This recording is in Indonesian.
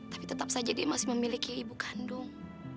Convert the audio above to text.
tapi tetap saja dia masih memiliki ibu kandung